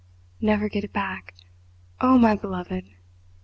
"Never get it back. Oh, my beloved!"